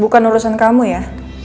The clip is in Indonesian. bukan urusan kamu ya